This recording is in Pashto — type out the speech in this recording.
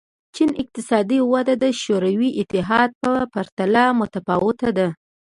چین اقتصادي وده د شوروي اتحاد په پرتله متفاوته ده.